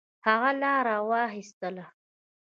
هغه لار واخیستله.